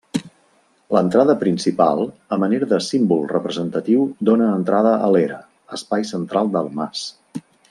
L'entrada principal, a manera de símbol representatiu dóna entrada a l'era, espai central del mas.